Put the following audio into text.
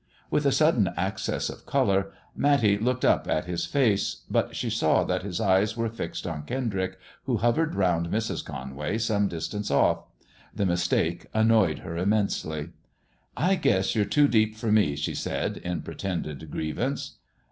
With a sudden access of colour, Matty looked up at his face, but she saw that his eyes were fixed on Kendrick, who hovered round Mrs. Conway some distance off. The mistake annoyed her immensely. " I guess you're too deep for me," she said, in pretended grievance.